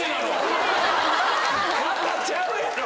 またちゃうやろ。